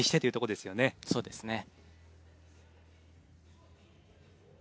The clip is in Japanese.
そうですね。